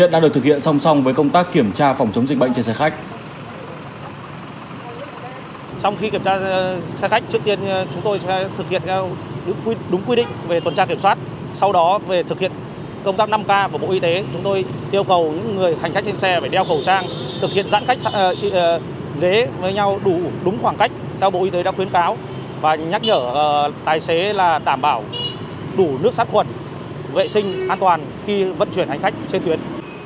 xe khách trước tiên chúng tôi thực hiện đúng quy định về tuần tra kiểm soát sau đó về thực hiện công tác năm k của bộ y tế chúng tôi tiêu cầu những người hành khách trên xe phải đeo khẩu trang thực hiện giãn khách ghế với nhau đủ đúng khoảng cách theo bộ y tế đã khuyến cáo và nhắc nhở tài xế là đảm bảo đủ nước sát khuẩn vệ sinh an toàn khi vận chuyển hành khách trên tuyến